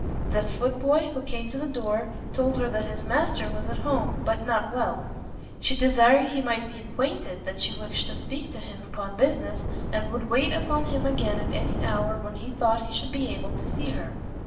The foot boy, who came to the door, told her that his master was at home, but not well. She desired he might be acquainted that she wished to speak to him upon business, and would wait upon him again at any hour when he thought he should be able to see her.